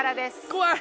怖い！